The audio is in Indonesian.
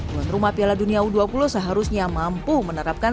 tuan rumah piala dunia u dua puluh seharusnya mampu menerapkan